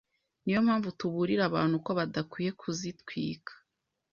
Ni yo mpamvu tuburira abantu ko badakwiye kuzitwika